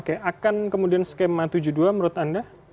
oke akan kemudian skema tujuh puluh dua menurut anda